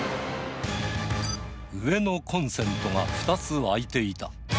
上のコンセントが２つ空いていた。